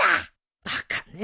バカね。